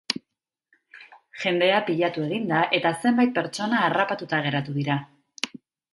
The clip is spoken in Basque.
Jendea pilatu egin da eta zenbait pertsona harrapatuta geratu dira.